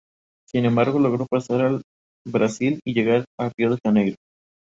En principio su fin era curativo, pero podía igualmente usarse para matar.